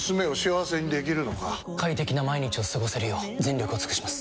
快適な毎日を過ごせるよう全力を尽くします！